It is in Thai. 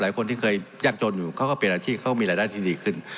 หลายคนที่เคยยากจนอยู่เขาก็เป็นอาชีพเขามีรายได้ที่ดีขึ้น